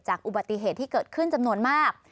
อุบัติเหตุที่เกิดขึ้นจำนวนมาก